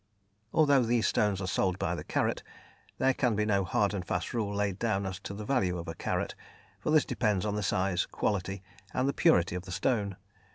Although these stones are sold by the carat, there can be no hard and fast rule laid down as to the value of a carat, for this depends on the size, quality, and the purity of the stone.